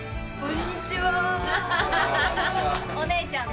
こんにちは